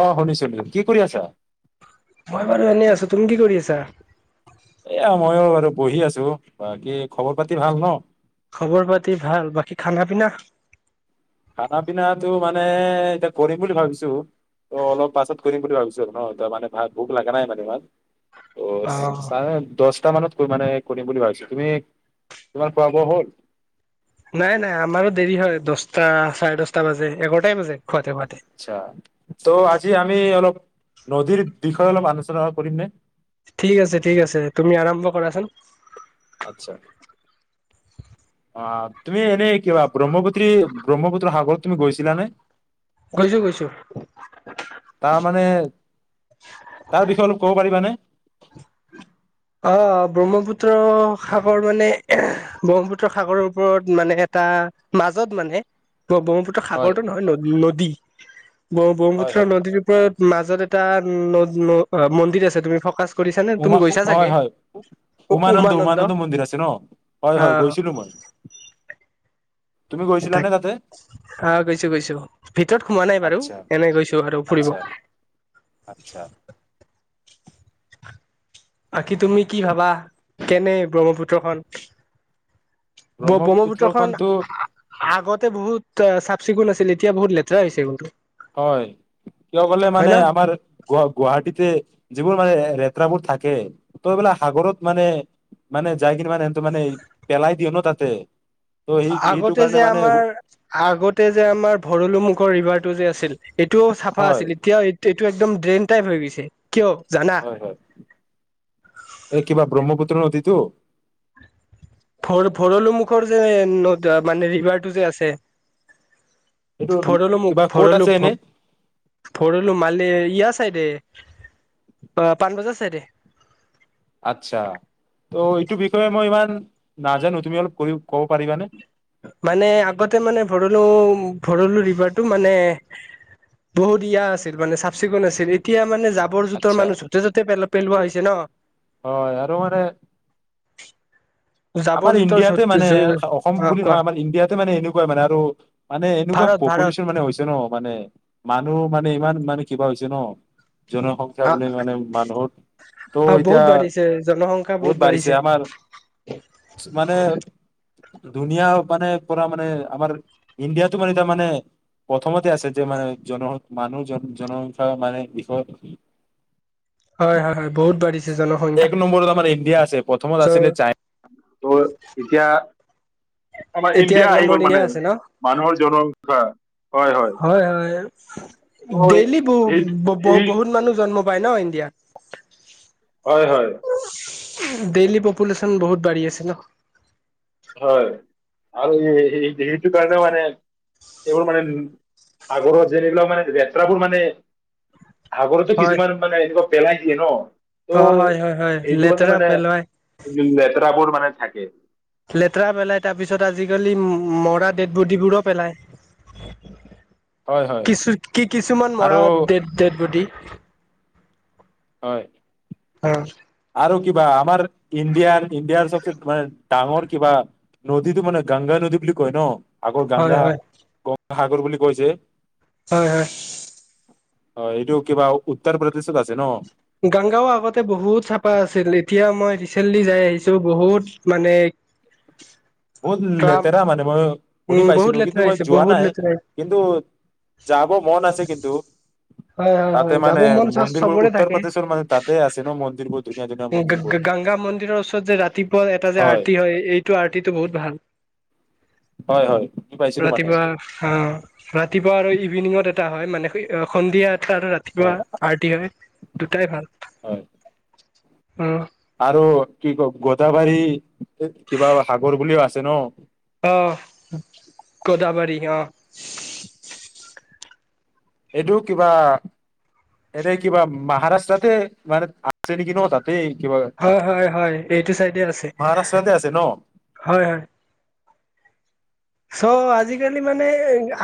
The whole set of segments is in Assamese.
অ শুনিছিলো কি কৰি আছা মই বাৰু এনেই আছো তুমি কি কৰি আছা? এয়া মইো বহি আছো ব কি খবৰ পাতি ভাল ন' খবৰ পাতি ভাল বাকী খানা পিনা? খানা পিনাটো মানে এতিয়া কৰিম বুলি ভাবিছো। ত অলপ পাছত কৰিম বুলি ভাবিছো ন মানে ভ ভোক লগা নাই মানে ইমান। অ চাৰে দছ সাত‌টা‌ মানত কৈ মানে কৰিম বুলি ভাবিছো তুমি তোমাৰ খোৱা বোৱা হ'ল? নাই নাই আমাৰো দেৰি হয় দশটা চাৰে দশটা বাজে এঘাৰটাই বাজে। খুৱাতে খুৱাতে আ্ছা ত' আজি আমি অলপ নদীৰ বিষয়ে অলপ আলোচনা কৰিম নে? ঠিক আছে ঠিক আছে তুমি আৰম্ভ কৰাচোন। আচ্ছা অ তুমি এনে কিবা ব্ৰহ্মপুত্ৰ্ৰী ব্ৰহ্মপুত্ৰ সাগৰত তুমি গৈছিলানে? গৈছো গৈছো। তাৰ মানে তাৰ বিষয়ে অলপ ক'ব পাৰিবানে? অ ব্ৰহ্মপুত্ৰ সাগৰ মানে ব্ৰহ্মপুত্ৰ সাগৰৰ ওপৰত মানে এটা মাজত মানে। ব্ৰহ্মপুত্ৰ হয় সাগৰটো নহয় ন নদী। ব হয় ব্ৰহ্মুপূত্ৰ হয় নদীৰ ওপৰত মাজত এটা ন নদ অ মন্দিৰ আছে তুমি ফ'কাচ কৰিছা নে উমা তুমি গৈছা হয় ছাগে? হয় উমানন্দ উমানন্দ মন্দিৰ আছে ন হয় অ হয় গৈছিলো মই। তুমি গৈছিলানে তাক তাতে আহ গৈছো গৈছো ভিতৰত সোমোৱা নাই বাৰু আচ্ছা এনে গৈছো আৰু ফুৰিব। আচ্ছা আচ্ছা বাকি তুমি কি ভাবা কেনে ব্ৰহ্মপুত্ৰখন। ব্ৰহ্মপুত্ৰখন ব্ৰহ্মপুত্ৰখনতো আগতে বহুত চিকুণ আছিল এতিয়া বহুত লেতেৰা হৈছে [unintelligible] হয় কিয় কলে হয় মানে ন আমাৰ গ গুৱাহাটীতে যিবোৰ মানে লতেৰাবোৰ থাকে ত এইবিলাক সাগৰত মানে মানে যাই কিনে মানেহ মানে পেলাই দিয়ে ন তাতে। ত' সেই সেইটো আগতে কাৰণে যে মানে আমাৰ আগতে যে আমাৰ ভৰলো মুুখৰ ৰিভাৰটো যে আছে [inaudible] এইটোও চাফা হয় আছিল এতিয়াও এইটো এইটো একদম ড্ৰেইন টাইপ হৈ গৈছে। কিয় জানা হয় হয়, এই কিবা ব্ৰহ্মপুত্ৰ নদীত দ ভ ভৰলো মুখৰ যে ন মানে ৰিভাৰটো যে আছে। এইটো ভৰলো মোক কিবা ক'ত ভৰলো আছে এনে ভৰলো মানে ইয়াৰ চাইডে। অ পাণ বজাৰ ছাইদে। আচ্ছা ত' এইটো বিষয়ে মই ইমান নাজানো তুমি অলপ কৰি ক'ব পাৰিবানে? মানে আগতে মানে ভৰলো ভৰলো ৰিভাৰটো মানে বহুত ইয়া আছিল মানে চাফ চিকুণ আছিল। এতিয়া মানে জাবৰ জোথৰ আচ্ছা মানুহ যতে'তে পেলা পেলোৱা হৈছে ন অ ইয়াৰো মানে জাবৰ আমাৰ জোথৰ ইণ্ডিয়াতে য'ত মানে অসম অ বুলি কোৱা নহয় আমাৰ ইণ্ডিয়াতে মানে এনেকুৱা মানে আৰু মানে এনেকুৱা ভাৰত ভাৰত পপুলেশ্যন মানে হৈছে ন মানে মানুহ মানে ইমান [unintelligible] মানে কিবা হৈছে ন জনসংখ্য্া অ বুলি মানে মানুহৰ ত' অ বহুত এতিয়া বাঢ়িছে জনসংখ্যা বহুত বাঢ়িছে আমাৰ [unintelligible] মানে ধুনীয়া মানে পৰা মানে আমাৰ ইণ্ডিয়াাতটো মানে তাৰ মানে প্ৰথমতে আছে যে মানে জন মানুহ জন জনসংখ্য্া মানে বিষত [unintelligible] হয় হয় হয় বহুত বাঢিছে এক নম্বৰত আমাৰ ইণ্ডিয়া আছে প্ৰথমত চ' আছিলে চাইনা ত' এতিয়া আমাৰ এতিয়া ইণ্ডিয়া এক আহি নম্বৰ গ'ল ইণ্ডিয়া মানে আছে ন মানুহৰ জনসংখ্যা হয় হয় ত' ডেইলি এই বহ এই বহুত মানুহ জন্ম পায় ন ইডিয়া হয় হয় ডেইলী পপুলেশ্যন বহুত বাঢ়ি আছে ন হয় আৰু সেইটো কাৰণেও মানে এইবোৰ মানে আগৰত যেনেিলও মানে লেতৰাবোৰ মানে [unintelligible] আাগৰতো হয় কিছুমান মানে এনেকুৱা পেলাই দিয়ে ন ত অ হয় হয় হয় এই যগতে লেতেৰা মানে পেলোৱাই লেতেৰাবোৰ মানে থাকে লেতেৰা পেলাই তাৰ পিছত আজিকালি মৰা ডেড বডিবোৰো পেলায় হয় হয় কিছু কি কিছুমান মৰা আৰু ডেড ডেড বডি হয় হয় আৰু কিবা আমাৰ ইণ্ডিয়াৰ ইণ্ডিয়াৰ চবচে মানে ডাঙৰ কিবা নদীতটো মানে গংগা নদী বুলি কয় ন [unintelligible] আগৌ হয় গংগা হয় ক সাগৰ বুলি কৈছে হয় হয় অ এইটো কিবা উত্তৰ প্ৰদেশত আছে ন গংগাও আগতে বহুত চাফা আছিল এতিয়া মই ৰিচেণ্টলি যাই আহিছো বহুত মানে [unintelligible] বহুত ট্ৰাম লেতেৰা মানে মই শুনি উম বহুত পাইছিলো কিন্তু লেতেৰা মই হৈছে যোৱা বহুত নাই লেতেৰা কিন্তু যাব মন আছে কিন্তু দু হয় হয় তাতে হয় যাব মানে মন চ মন্দিৰবোৰ চবৰে উত্তৰ প্ৰদেশৰ মানে তাতে আছে ন মন্দিৰবোৰ ধুনীয়া ধুনীয়া মন্দিৰবোৰ গংগা মন্দিৰৰ ওচৰত যে ৰাতিপুৱা এটা যে আৰতিি হয় এইটো আৰতিিত [unintelligible] টো বহুত ভাল হয় হয় শুনি পাইছিলো মানে ৰাতিপুৱা আহ ৰাতিপুৱা আৰু ইভিনিঙত এ হয় মানে সন্ধিয়া আৰু ৰাতিপুৱা হয় আৰটি হয় দুটাই ভাল হয় হুম্। আৰু কি ক গোদাবাৰী কিবা সাগৰ বুলিও আছে ন। আহ গোদাবাৰী আহ। এইটো কিবা এনে কিবা মহাৰাষ্ট্ৰতে মানে আছে নেকি ন তাত। হয় হয়-হয়, এইটো চাইদে আছে, মহাৰাষ্ট্ৰতে আছে ন হয়- হয়। চ' আজিকালি মানে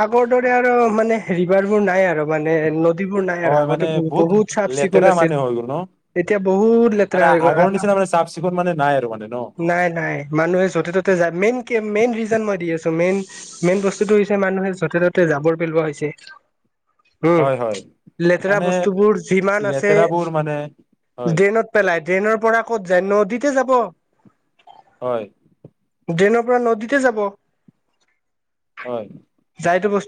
আগৰ দৰে আৰু মানে ৰিভাৰবোৰ নাই আৰু মানে ন এইবোৰ নাই আৰু হয় আগতে মানে বহুত চাফ চিকুণ লেতেৰা আছিল, মানে হৈ গ'ল ন এতিয়া বহুত লেতেৰা মানে হৈ গ'ল, আগৰ নিচিনা মানে চাফ চিকুণ মানে নাই আৰু মানে ন নাই-নাই মানুহে য'তে ত'তে যায়, মেইন কি মেইন ৰিজন মই দি আছো। মেইন-মেইন বস্তুটো হৈছে মানুহে য'তে ত'তে জাবৰ পেলোৱা হৈছে। উম, হয় হয় লেতেৰা মানে বস্তুবোৰ যিমান আছে লেতেৰাবোৰ মানে হয় ড্ৰেইনত পেলাই ড্ৰেইনৰ পৰা ক'ত যায় নদীত কে যাব। হয়। ড্ৰেইনৰ পৰা নদীতে যাব। হয়।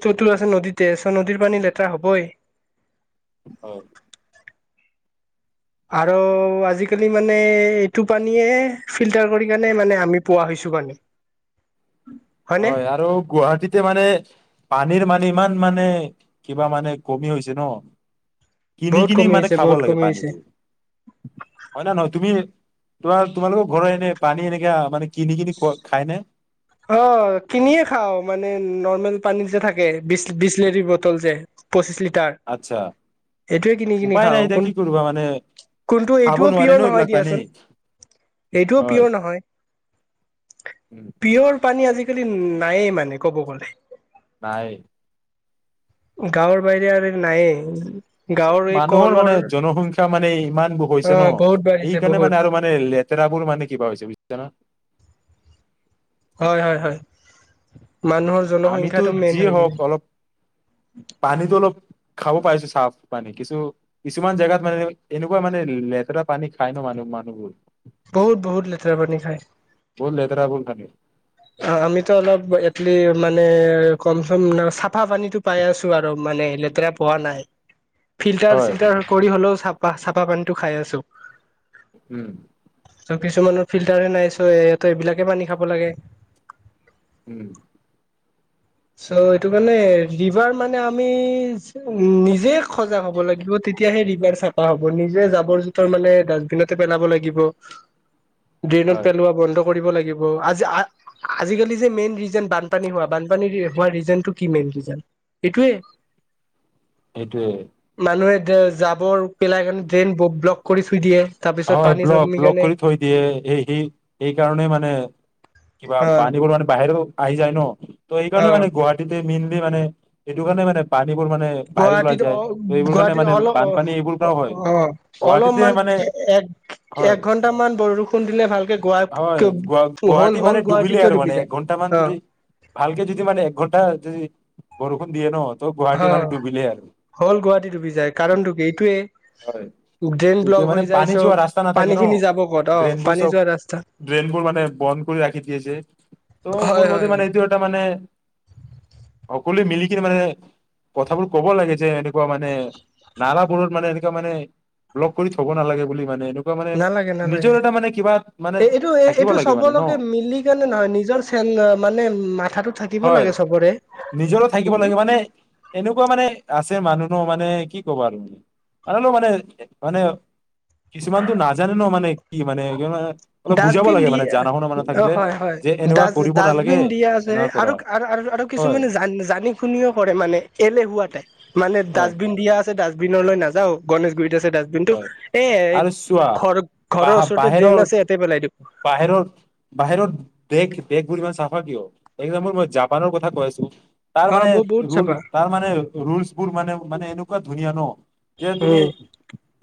চতু আছে নদীতে, চ' নদীৰ পানী লেতেৰা হ'বই। হয়। আৰু আজিকালি মানে এইটো পানীয়ে ফিল্টাৰ কৰি কাৰণে মানে আমি পোৱা হৈছো পানী। হয়নে হয় আৰু গুৱাহাটীতে মানে পানীৰ মানে ইমান মানে কিবা মানে কমি হৈছে ন। কিনি- বহুত কিনি কমি মানে হৈছে খাব বহুত লাগে কমি হৈছে পানীটো, হয় নে নহয় তুমি তোমাৰ তোমালোকৰ ঘৰ এনে পানী এনেকা মানে কিনি- কিনি খোৱা খাইনে? অ' কিনিয়ে খাও মানে নৰ্মেল পানীত যে থাকে, বি বিশ লেৰীৰ বটল যে, পঁচিশ লি টাৰ, আচ্ছা এইটোৱে কিনি কিনি উপায় খাওঁ নাই এতিয়া কোন কি কৰিবা মানে কোনটো খাব এইটোও নোৱাৰে পিয়ৰ ন নহয় এইবিলাক পানী দিয়াচোন, এইটোও হয় পিয়ৰ নহয়। উম বোৰ পানী আজিকালি নায়েই মানে ক'ব গ'লে। নাই। গাঁৱৰ বাহিৰে আৰু নায়ে। মানুহৰ মানে জনসংখ্যা মানে ইমান অ হৈছে ন, বহুত বাঢ়িছে সেইকাৰণে বহুত মানে আৰু মানে লেতেৰাবোৰ মানে কিবা হৈছে বুজিছা না। হয় হয়-হয়। আমিতো যিয়ে হওঁক অলপ, পানীতো অলপ খাব পাইছো চাফ পানী, কিছু কিছুমান জেগাত মানে এনেকুৱা মানে লেতেৰা পানী খাই ন মানুহ মানুহবোৰ। বহুত -বহুত লেতেৰা পানী খায়। বহুত লেতেৰাবোৰ পানী অ' আমিতো অলপ এটলি মানে কম চম চাফা পানীটো পাই আছো আৰু মানে লেতেৰা পোৱা নাই। ফিল্টাৰ হয় চিল্টাৰ কৰি হ'লেও চা চাফা পানীটো খাই আছো। উম। ত' কিছুমানৰ ফিল্টাৰে নাই চ' সিহঁতে এইবিলাকে পানী খাব লাগে। উম। চ' এইটো মানে ৰিভাৰ মানে আমি নিজে সজাগ হ'ব লাগিব তেতিয়াহে ৰিভাৰ চাফা হ'ব, নিজে জাবৰ জোথৰ মানে ডাষ্টবিনতে পেলাব লাগিব। ড্ৰেইনত হয় পেলোৱা বন্ধ কৰিব লাগিব। আজি- আজিকালি যে মেইন ৰিজন বানপানী হোৱা- বান পানী হোৱা ৰিজনটো কি, মেইন ৰিজন। এইটোয়ে। এইটোৱে। এ জাবৰ পেলাই কাৰণে ড্ৰেইন ব্লক কৰি থুই দিয়ে। তাৰপিছত হয়। পানী ব্লক জমি -ব্লক কাৰণে কৰি থৈ দিয়ে। এই সেই সেই কাৰণে মানে কিবা অ পানীবোৰ মানে বাহিৰত আহি যায় ন। ত এইকাৰণে অ মানে গুৱাহাটীত মেইনলি মানে সেইটো কাৰণে মানে বান পানীবোৰ মানে বাহিৰ ওলাই গুৱাহাটীত যায় অ ত' এইবোৰ কাৰণে গুৱাহাটীত মানে অলপ অ বানপানী এইবোৰ পৰাও হয়। অ গুৱাহাটীতে অলপমান মানে এক হয়। একঘন্টামান বৰষুণ দিলে ভালকে গুৱা হয়। গ হ'ল -গুৱাহাটী হ'ল মানে গুৱাহাটী ডুবিলে কিয় আৰু ডুবি মানে যায় একঘন্টা মান অ যদি ভালকে যদি মানে একঘন্টা যদি বৰষুণ দিয়ে ন, ত গুৱাহাটী মানে অহ। ডুবিলে আৰু হ'উল গুৱাহাটীত ডুবি যায়। কাৰণটো কি এইটোয়ে হয় ড্ৰেইন এইটোৱে ব্লক মানে হৈ যায় পানী চব যোৱা ৰাস্তা নাথাকে পানী ন, খিনি যাব ক'ত অ ড্ৰেইনবোৰ পানী চব, যোৱা ৰাস্তা ড্ৰেইনবোৰ মানে বন্ধ কৰি ৰাখি দিয়ে যে ত' মোৰ হয় মতে হয় মানে, হয় এইটো এটা মানে- সকলোই মিলি কেনে মানে, কথাবোৰ ক'ব লাগে যে কুৱা মানে নালা মোৰ মানে এনে মানে লক কৰি থ'ব নালাগে বুলি মানে এনেকুৱ নালাগে। নালাগে। মানে এই এইটো- থাকিব এইটো লাগে মানে ন চবলৈকে মিলি কেনে নহয়। নিজৰ চে মানে মাথাটো থাকিব হয় লাগে চবৰে। নিজৰো থাকিব লাগে মানে এনেকুৱা মানে আছে মানুহনো মানে কি ক'বা আৰু তুমি মো মানে -মানে কিছুমানতো নাজানে ন। মানে কি মানে অলপ বুজাব ডাষ্টবিন লাগে দি মানে জানা শুনা মানে অ' থাকিলে হয়। হয়। যে এনেকুৱা ডা- কৰিব নালাগে ডাষ্টবিন দিয়া আছে। এনেকুৱা কৰা আৰু -আৰু হয় কিছুমানে জানি শুনিও কৰে মানে এলেহুৱা টাইপ, মানে হয় ডাষ্টবিন দিয়া আছে ডা পিনলৈ নাযাও। গণেশগুৰিত ডাষ্টবিন টো হয় এ আৰু চোৱা ঘৰ -ঘৰৰ বাহ ওচৰতে ড্ৰেইন বাহিৰৰ আছে। পেলাই দিওঁ বাহিৰৰ -বাহিৰত দেশ-দেশ বোৰ ইমান চাফা কিয়? একজামপ'ল মই জাপানৰ কথা কৈ আছো তাৰ অ মানে- বহ বহুত চাবা তাৰ মানে- ৰোলচ বোৰ মানে -মানে এনেকুৱা ধুনীয়া ন যে তুমি উম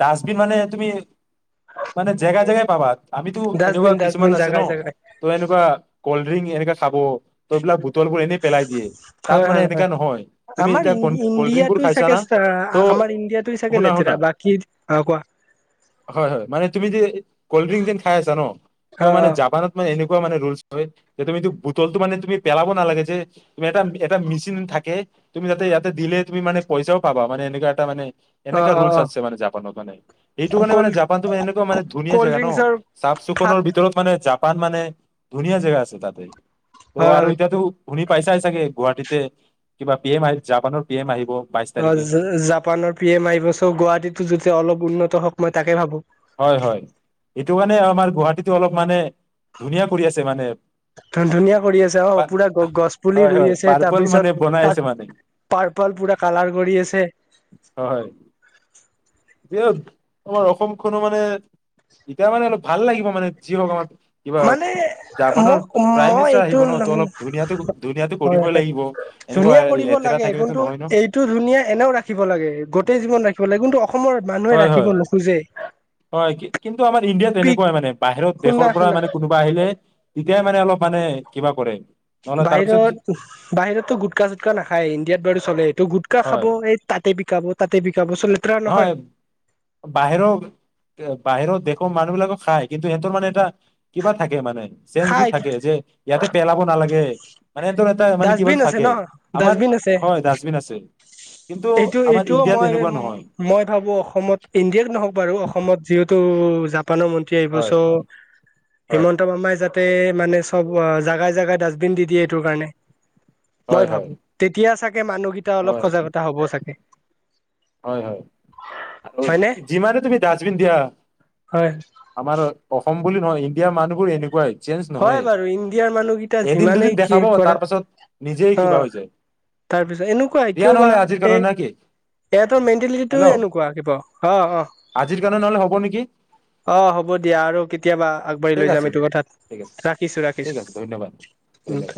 ডাষ্টবিন মানে তুমি মানে জেগাই -জেগাই পাবা। আমিতো এনেকুৱা ডাষ্টবিন কিছুমান ডাষ্টবিন আছে ন জাগাই জাগাই তই এনেকুৱা কল হেই এনকে-এনকে খাব। তই হেবিলাক- -টলবোৰ এনেই পেলাই দিয়ে। তাত হয় মানে হয় এনেকা হয় নহয় তুমি আমাৰ এতিয়া ই কল্ড ড্ৰিংক বোৰ ইণ্ডিয়াটোই খাইছা চাগে না ত' আমাৰ ইণ্ডিয়াটোই চাগে শুনা লেতেৰা -শুনা বাকী অ কোৱা হয়। হয়। মানে তুমি য কল্ড ড্ৰিংক যে খাই আছা ন, ত অ মানে অ জাপানত মানে এনেকুৱা মানে যে তুমি বুটলটো মানে তুমি পেলাব নালাগে। যে তুমি এটা -এটা মেচিন থাকে, তুমি যাতে ইয়াতে দিলে তুমি মানে পইচাও পাবা। মানে এনেকুৱা এটা মানে অ এনেকা অ ৰোলচ আছে মানে জাপা মানে এইটো অ কাৰণে মানে কল্ড জাপানটো মানে এনেকুৱা মানে ধুনীয়া কল্ড জেগা ন, ড্ৰিংকচৰ চাফ থাক সুকুনৰ ভিতৰত মানে জা পান মানে ধুনীয়া জেগা আছে তাতে। ত' হয় আৰু হয় এতিয়াটো শুনি পাইছাই চাগে গুৱাহাটীতে কিবা পি এম আহ জাপানৰ পি এম আহিব বাইশ অ তাৰিখে জাপানৰ পি এম আহিব চ গুৱাহাটীতো যে অলপ উন্নত হওক মই তাকে ভাবোঁ হয় হয় এইটো কাৰণে আমাৰ গুৱাহাটীতো অলপ মানে ধুনীয়া কৰি আছে মানে ধুন ধুনীয়া কৰি আছে অ পা- পুৰা গ গছ পুলি হয় ৰুই হয় আছে তাৰ পাৰ্পল মানে বনাই পিছত আছে মানে তাক পাৰ্পল পুৰা কালাৰ কৰি আছে হয় যে আমাৰ অসম কোনো মানে এতিয়া মানে অলপ ভাল লাগিব মানে যি ভগৱান মানে মোক মই মিনিষ্টাৰ এইটো আহিব ন ত অলপ ধুনীয়াটো ধুনীয়াটো হয় কৰিবই লাগিব এনেকুৱা ধুনীয়া কৰিব লেতেৰা লাগে থাকিলেতো কিন্তু নহয় ন এইটো ধুনীয়া এনেও ৰাখিব লাগে গোটেই জীৱন ৰাখিব লাগে কিন্তু অসমৰ মানুহে হয় ৰাখিব হয় নোখোজে হয় কিন্তু আমাৰ ইণ্ডিয়াত পিক তেনেকুৱাই মানে বাহিৰত দেশৰ শুনা পৰা শুনা মানে কোনোবা আহিলে তেতিয়াই মানে অলপ মানে কিবা কৰে নহ'লে তাৰপিছত যি- বাহিৰত বাহিৰতো গোটকা চুটকা নাখায় ইণ্ডিয়াত বাৰু চলে সটো গুটকা হয় খাব এই তাতে বিকাব তাতে বিকাব চ লেতেৰা নহয় বাহিৰৰ বাহিৰৰ দেশৰ মানুহ বিলাকক খাই কিন্তু সিহঁতৰ মানে এটা কিবা থাকে মানে চেঞঞ্চ খাই বোৰ থাকে যে ইয়াতে পেলাব নালাগে মানে সিহঁতৰ এটা মানে কিবা ডাষ্টবিন আছে ন থাকে আমাৰ ডাষ্টবিন আছে হয় ডাষ্টবিন আছে কিন্তু এইটো আমাৰ এইটোও ইণ্ডিয়াত মই এনেকুৱা নহয় মই ভাবো অসমত ইণ্ডিয়াত নহওক বাৰু অসমত যিহেতু প্ৰানৰ মন্ত্ৰী আহিব চ' হয় হয় হিমন্ত বামাই যা তাতে মানে চব অ জাগাই জোগাই ডাষ্টবিন দি দিয়ে এইটো কাৰণে মই হয় হয় ভাবো তেতিয়া চাগে তাকে মানুহকেইটা অলপ হয় সজাগতা হবও চাগে হয় হয় আৰু হয়নে যিমানে তুমি ডাষ্টবিন দিয়া হয় আমাৰ অসম বুলি নহয় ইণ্ডিয়াৰ মানুহবোৰ এনেকুৱাই চেঞ্জ হয় নহয় বাৰু ইণ্ডিয়াৰ মানুহকেইটা এদিন যিমানেই দুদিন কি দেখাব কৰা তাৰ পাছত নিজেই অ কিবা হৈ যায় তাৰ পিছত এনেকুৱাই দিয়া কিয় বা নহ'লে আজিৰ এই কাৰণে নে কি ইাত ত মেণ্টেলিটিটো হেল্ল' এনেকুৱা কিব অ অ আজিৰ কাৰণে নহ'লে হ'ব নেকি অ হ'ব দিয়া আৰু কেতিয়াবা আগবাঢ়ি ঠিক লৈ আছে যাম এইটো কথাত ঠিক আছে ৰাখিছো ৰাখিছো ঠিক আছে ধন্যবাদ উ ধন্যবাদ